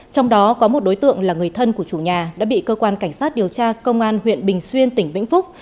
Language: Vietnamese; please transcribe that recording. trong đó có một đối tượng là người thân của chủ nhà đã bị cơ quan cảnh sát điều tra công an huyện bình xuyên tỉnh vĩnh phúc